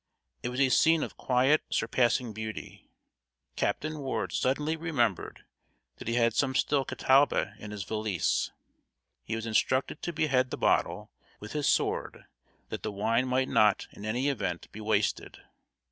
It was a scene of quiet, surpassing beauty. Captain Ward suddenly remembered that he had some still Catawba in his valise. He was instructed to behead the bottle with his sword, that the wine might not in any event be wasted.